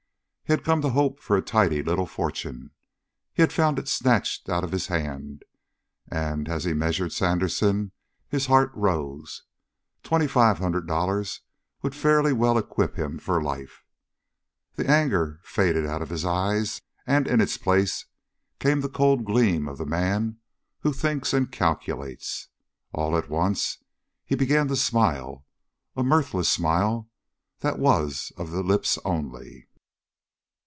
He had come to hope of a tidy little fortune. He had found it snatched out of his hand, and, as he measured Sandersen, his heart rose. Twenty five hundred dollars would fairly well equip him in life. The anger faded out of his eyes, and in its place came the cold gleam of the man who thinks and calculates. All at once he began to smile, a mirthless smile that was of the lips only.